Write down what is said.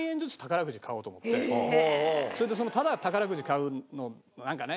それでただ宝くじ買うのもなんかね。